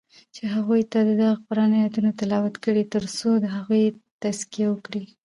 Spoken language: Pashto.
چی هغوی ته ددغه قرآن آیتونه تلاوت کړی تر څو د هغوی تزکیه وکړی